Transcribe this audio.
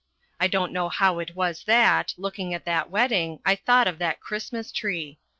I don't know how it was that, looking at that wedding, I thought of that Christmas tree.